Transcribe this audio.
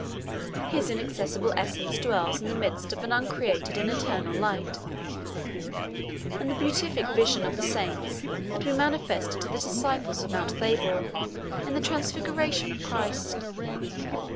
His inaccessible essence dwells in the midst of an uncreated and eternal light; and this beatific vision of the saints had been manifested to the disciples on Mount Thabor, in the transfiguration of Christ.